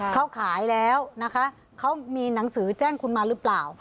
เขาขายแล้วนะคะเขามีหนังสือแจ้งคุณมาหรือเปล่า